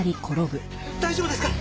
大丈夫ですか？